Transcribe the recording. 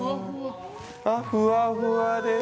あ、ふわふわです。